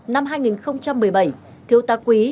năm hai nghìn một mươi bảy thiếu tá quý